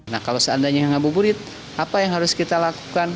nah kalau seandainya ngabuburit apa yang harus kita lakukan